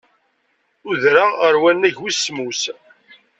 Udreɣ ɣer wannag wis semmus.